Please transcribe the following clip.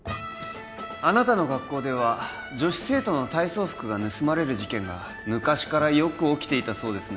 あなたの学校では女子生徒の体操服が盗まれる事件が昔からよく起きていたそうですね